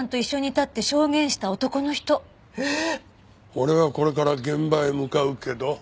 俺はこれから現場へ向かうけど？